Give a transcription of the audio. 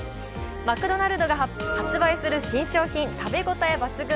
マクドナルドが発売する新商品食べ応え抜群、